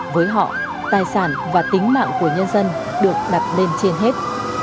với họ tài sản và tính mạng của nhân dân được đặt lên trên hết